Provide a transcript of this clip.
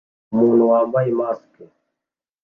Umuntu wambaye mask